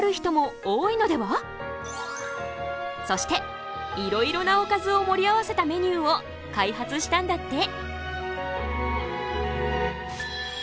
そしていろいろなおかずを盛り合わせたメニューを開発したんだって。